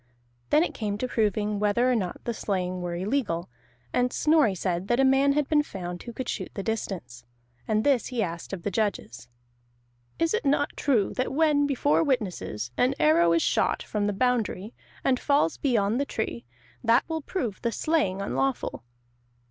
Then it came to proving whether or not the slaying were illegal, and Snorri said that a man had been found who could shoot the distance. And this he asked of the judges: "Is it not true that when, before witnesses, an arrow is shot from the boundary and falls beyond the tree, that will prove the slaying unlawful?"